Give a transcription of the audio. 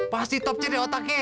pasti topce deh otaknya